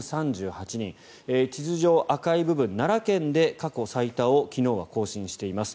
地図上、赤い部分奈良県で過去最多を昨日は更新しています。